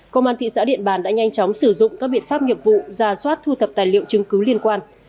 công an thị xã điện bàn đã nhanh chóng sử dụng các biện pháp nghiệp vụ ra soát thu thập tài liệu chứng cứ liên quan